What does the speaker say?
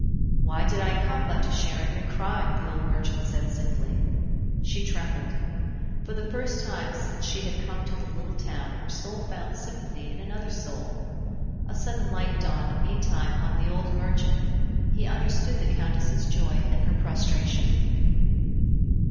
"Why did I come but to share in your crime?" the old merchant said simply. She trembled. For the first time since she had come to the little town her soul found sympathy in another soul. A sudden light dawned meantime on the old merchant; he understood the Countess's joy and her prostration.